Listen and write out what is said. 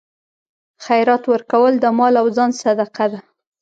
خیرات ورکول د مال او ځان صدقه ده.